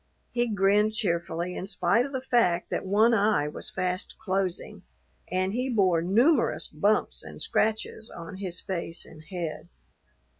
He grinned cheerfully in spite of the fact that one eye was fast closing and he bore numerous bumps and scratches on his face and head.